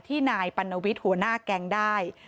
นายปัณวิทย์หัวหน้าแก๊งได้